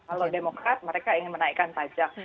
kalau demokrat mereka ingin menaikkan pajak